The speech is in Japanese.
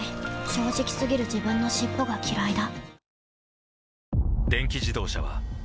正直過ぎる自分の尻尾がきらいだ